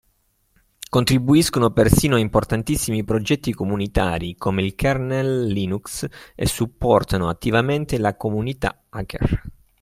Contribuiscono persino a importantissimi progetti comunitari, come il Kernel Linux e supportano attivamente la comunità hacker.